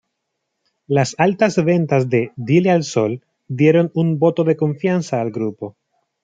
Las altas ventas de Dile al sol dieron un voto de confianza al grupo.